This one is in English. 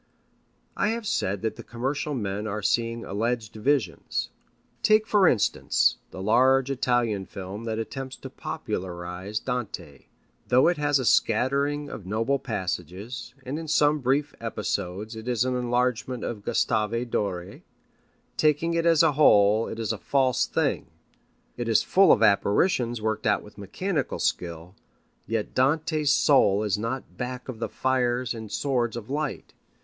I have said that the commercial men are seeing alleged visions. Take, for instance, the large Italian film that attempts to popularize Dante. Though it has a scattering of noble passages, and in some brief episodes it is an enhancement of Gustave Doré, taking it as a whole, it is a false thing. It is full of apparitions worked out with mechanical skill, yet Dante's soul is not back of the fires and swords of light.